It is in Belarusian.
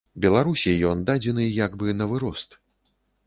Беларусі ён дадзены як бы навырост.